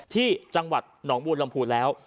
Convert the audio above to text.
ที่จังหวัดหนองบูรลำพูนแล้ว